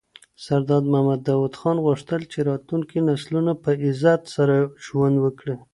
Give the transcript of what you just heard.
سردار محمد داود خان غوښتل چي راتلونکي نسلونه په عزت سره ژوند وکړي.